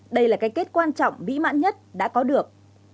đây là cái kết quan trọng bĩ mạn nhất đã có được